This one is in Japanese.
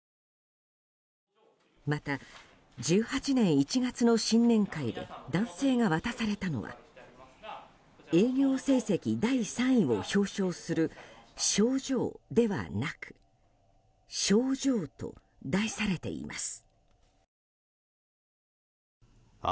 また、１８年１月の新年会で男性が渡されたのは営業成績第３位を表彰する賞状ではなく「症状」と題されています。